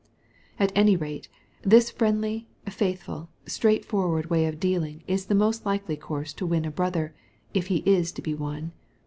At any rate, this friendly, faithful, straight forward way of dealing is the most likely course to win a brother, if he is to be won.